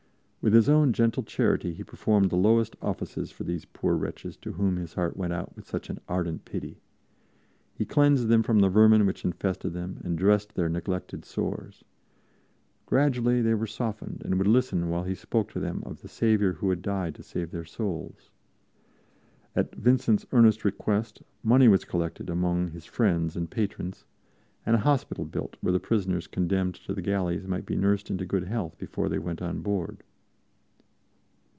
With his own gentle charity he performed the lowest offices for these poor wretches to whom his heart went out with such an ardent pity; he cleansed them from the vermin which infested them and dressed their neglected sores. Gradually they were softened and would listen while he spoke to them of the Saviour who had died to save their souls. At Vincent's earnest request, money was collected among his friends and patrons, and a hospital built where the prisoners condemned to the galleys might be nursed into good health before they went on board.